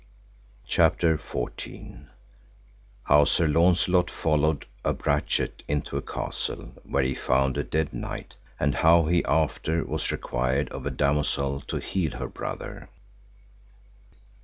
CHAPTER XIV. How Sir Launcelot followed a brachet into a castle, where he found a dead knight, and how he after was required of a damosel to heal her brother.